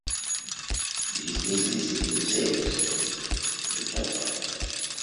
It is based in the city of Saint Petersburg.